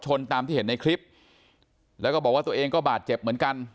ตามที่เห็นในคลิปแล้วก็บอกว่าตัวเองก็บาดเจ็บเหมือนกัน